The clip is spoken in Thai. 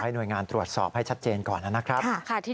หน่วยงานตรวจสอบให้ชัดเจนก่อนนะครับ